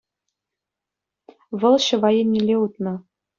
вӑл ҫӑва еннелле утнӑ.